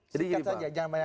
jadi gini bang